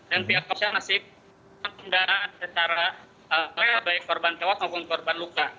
dan pihak kepolisian masih melakukan pendanaan secara baik korban tewas maupun korban luka